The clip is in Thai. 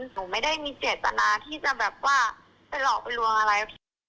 หนูไม่ได้มีเจตนาที่จะแบบว่าไปหลอกลวงอะไร